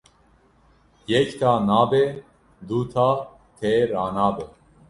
Yek ta nabe du ta tê ranabe.